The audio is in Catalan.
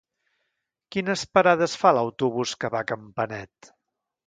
Quines parades fa l'autobús que va a Campanet?